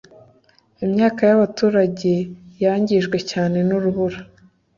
Imyaka y’abaturage yangijwe cyane n’urubura